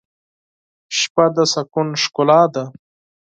شپه د سکون ښکلا ده.